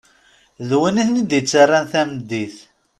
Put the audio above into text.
D win i ten-id-ttaren tameddit.